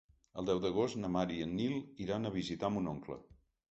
El deu d'agost na Mar i en Nil iran a visitar mon oncle.